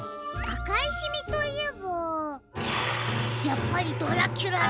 あかいシミといえばやっぱりドラキュラだ！